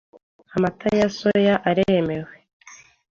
amata ya soya aremewe,